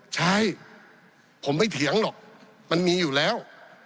ใช่ผมไม่เถียงหรอกมันมีอยู่แล้ว